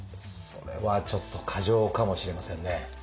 それはちょっと過剰かもしれませんね。